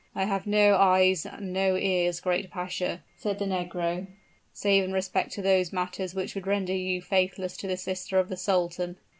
"I have no eyes and no ears, great pasha," said the negro, "save in respect to those matters which would render you faithless to the sister of the sultan."